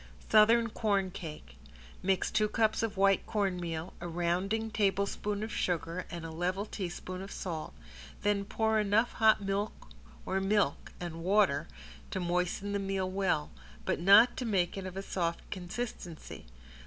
~SOUTHERN CORNCAKE~ Mix two cups of white cornmeal, a rounding tablespoon of sugar and a level teaspoon of salt, then pour enough hot milk or milk and water to moisten the meal well, but not to make it of a soft consistency.